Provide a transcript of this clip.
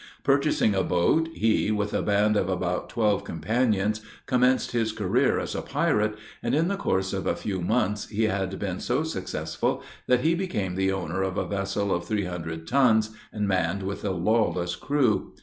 Purchasing a boat, he, with a band of about twelve companions, commenced his career as a pirate, and in the course of a few months he had been so successful that he became the owner of a vessel of three hundred tons, and manned with a lawless crew.